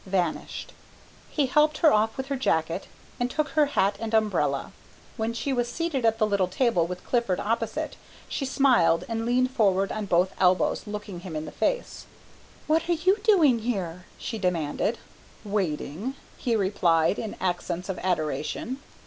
vanished. He helped her off with her jacket and took her hat and umbrella. When she was seated at the little table with Clifford opposite she smiled and leaned forward on both elbows looking him in the face. "What are you doing here?" she demanded. "Waiting," he replied, in accents of adoration.